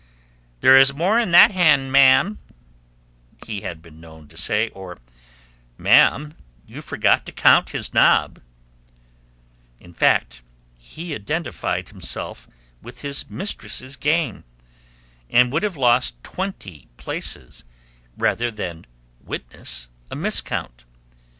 "There is more in that hand, ma'am," he has been known to say; or, "Ma'am, you forgot to count his nob;" in fact, he identified himself with his mistress's game, and would have lost twenty places rather than witness a miscount.